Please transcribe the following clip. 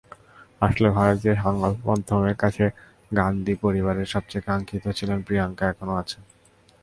আসলে ভারতীয় সংবাদমাধ্যমের কাছে গান্ধী পরিবারের সবচেয়ে কাঙ্ক্ষিত ছিলেন প্রিয়াঙ্কা, এখনো আছেন।